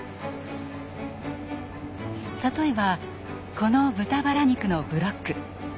例えばこの豚バラ肉のブロック。